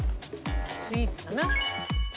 スイーツだな。